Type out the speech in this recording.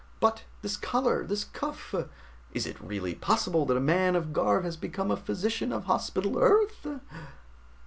But this collar! This cuff! Is it really possible that a man of Garv has become a physician of Hospital Earth?"